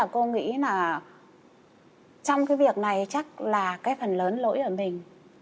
cô nghĩ là trong cái việc này chắc là cái phần lớn lỗi ở mình